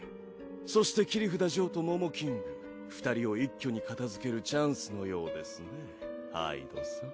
そして切札ジョーとモモキング２人を一気に片づけるチャンスのようですねハイドさん。